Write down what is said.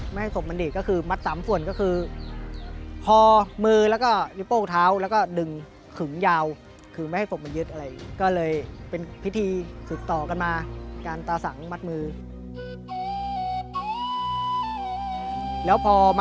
ไม่ให้ศพมันดีก็คือมาดตามส่วนคือ